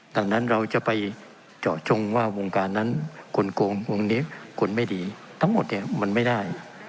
ดังนั้นเราจะไปเจาะจงว่าวงการนั้นคนโกงวงนี้คนไม่ดีทั้งหมดเนี่ยมันไม่ได้